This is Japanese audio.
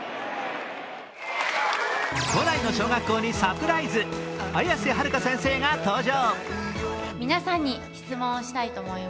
都内の小学校にサプライズ綾瀬はるか先生が登場。